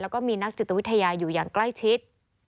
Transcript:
แล้วก็มีนักจิตวิทยาอยู่อย่างใกล้ชิด